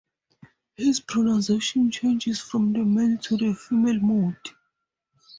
His pronunciation changes from the male to the female mode.